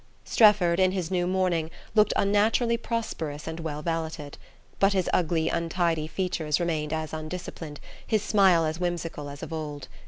Strefford, in his new mourning, looked unnaturally prosperous and well valeted; but his ugly untidy features remained as undisciplined, his smile as whimsical, as of old.